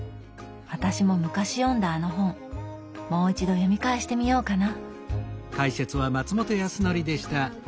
私も昔読んだあの本もう一度読み返してみようかな。